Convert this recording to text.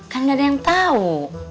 kan nggak ada yang tau